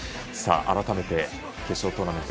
改めて決勝トーナメント